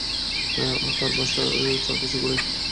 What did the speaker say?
তার বাসার চারপাশে ঘুরে দেখবো।